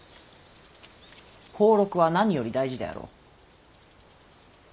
俸禄は何より大事であろう。